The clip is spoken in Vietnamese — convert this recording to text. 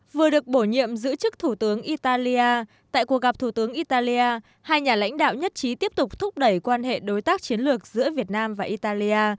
vừa được bổ nhiệm giữ chức thủ tướng italia tại cuộc gặp thủ tướng italia hai nhà lãnh đạo nhất trí tiếp tục thúc đẩy quan hệ đối tác chiến lược giữa việt nam và italia